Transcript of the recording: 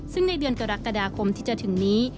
ซึ่งในเดือนกรกฎาคมที่จะถึงนี้